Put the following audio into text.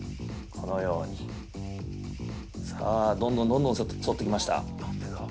このようにさあ、どんどん、どんどん反ってきました。